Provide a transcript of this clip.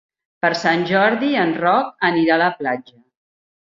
Per Sant Jordi en Roc anirà a la platja.